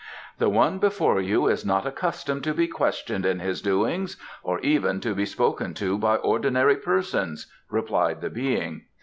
"The one before you is not accustomed to be questioned in his doings, or even to be spoken to by ordinary persons," replied the Being.